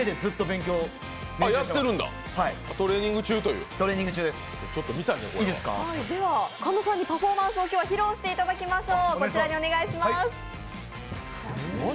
今日は狩野さんにパフォーマンスを披露していただきましょう。